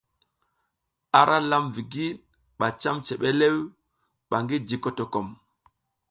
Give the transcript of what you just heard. Ara lam vigid ba cam cebelew ba ngi ji kotokom.